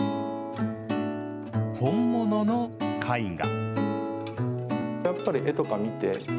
本物の絵画。